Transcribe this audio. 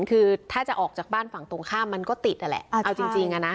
คือถ้าจะออกจากบ้านฝั่งตรงข้ามมันก็ติดนั่นแหละเอาจริงจริงอ่ะนะ